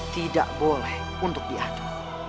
tidak boleh untuk diadu